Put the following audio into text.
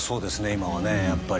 今はねやっぱり。